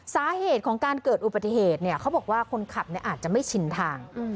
สาเหตุของการเกิดอุบัติเหตุเนี่ยเขาบอกว่าคนขับอาจจะไม่ชินทาง